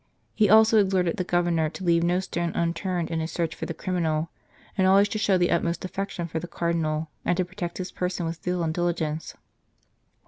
He also exhorted the Governor to leave no stone unturned in his search for the criminal, and always to show the utmost affection for the Cardinal, and to protect his person with zeal and diligence.